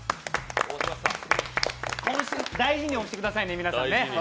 大事に押してくださいね、皆さんね。